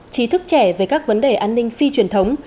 trí thức trẻ về các vấn đề an ninh phi truyền thống